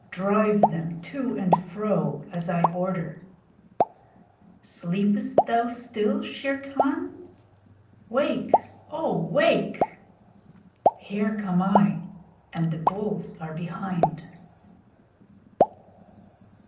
Drive them to and fro as I order. Sleepest thou still, Shere Khan? Wake, O wake! Here come I, and the bulls are behind.